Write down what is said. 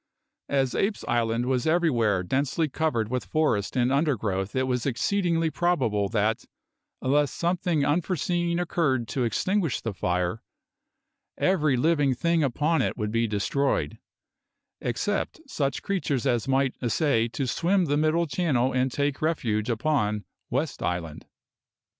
As Apes' Island was everywhere densely covered with forest and undergrowth it was exceedingly probable that, unless something unforeseen occurred to extinguish the fire, every living thing upon it would be destroyed, except such creatures as might essay to swim the Middle Channel and take refuge upon West Island.